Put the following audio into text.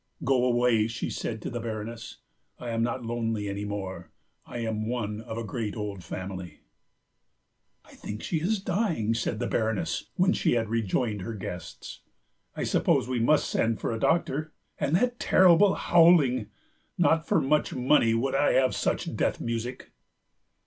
"Go away," she said to the Baroness; "I am not lonely any more. I am one of a great old family ..." "I think she is dying," said the Baroness when she had rejoined her guests; "I suppose we must send for a doctor. And that terrible howling! Not for much money would I have such death music."